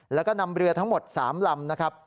แล้วก็นำเรือทั้งหมด๓ลำ